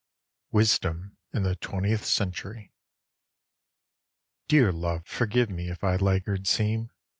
Wisdom in the Twentieth Century DEAR love, forgive mo if I laggard seem.